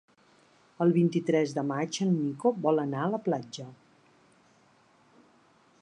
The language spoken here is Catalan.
El vint-i-tres de maig en Nico vol anar a la platja.